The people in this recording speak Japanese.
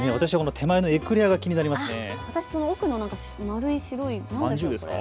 手前のエクレアが気になりますね。